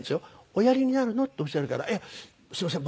「おやりになるの？」っておっしゃるから「すいません。